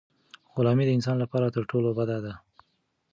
غلامي د انسان لپاره تر ټولو بده ده.